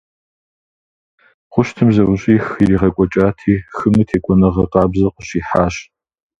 Хъущтым зэӏущӏих иригъэкӏуэкӏати, хыми текӏуэныгъэ къабзэ къыщихьащ.